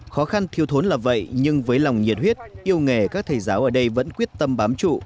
khó khăn thiêu thốn là vậy nhưng với lòng nhiệt huyết yêu nghề các thầy giáo ở đây vẫn quyết tâm bám trụ